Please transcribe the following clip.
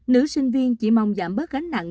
nữ sinh viên chỉ mong giảm bớt gánh nặng